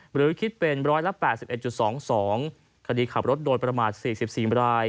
หรือคิดเป็น๑๘๑๒๒คดีขับรถโดยประมาท๔๔ราย